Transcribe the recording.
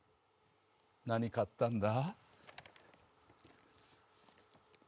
何買ったんだ？